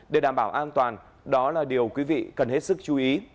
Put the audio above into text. để đảm bảo an toàn đó là điều quý vị cần hết sức chú ý